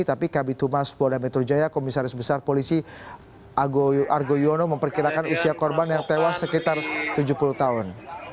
tapi kabitumas polda metro jaya komisaris besar polisi argo yono memperkirakan usia korban yang tewas sekitar tujuh puluh tahun